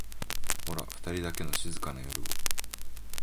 ホラふたりだけの静かな夜を